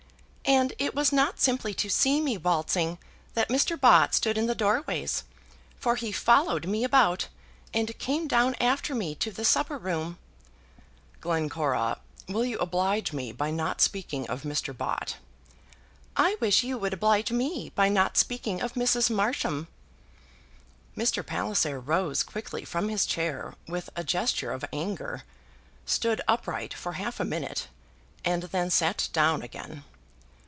"And it was not simply to see me waltzing that Mr. Bott stood in the doorways, for he followed me about, and came down after me to the supper room." "Glencora, will you oblige me by not speaking of Mr. Bott?" "I wish you would oblige me by not speaking of Mrs. Marsham." Mr. Palliser rose quickly from his chair with a gesture of anger, stood upright for half a minute, and then sat down again.